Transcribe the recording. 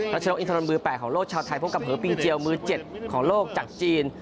ชนกอินทรนมือ๘ของโลกชาวไทยพบกับเหอปิงเจียวมือ๗ของโลกจากจีน